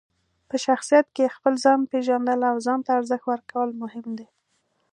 په شخصیت کې خپل ځان پېژندل او ځان ته ارزښت ورکول مهم دي.